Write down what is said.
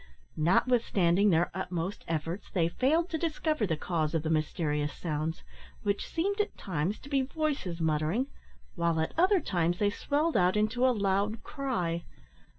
Notwithstanding their utmost efforts they failed to discover the cause of the mysterious sounds, which seemed at times to be voices muttering, while at other times they swelled out into a loud cry.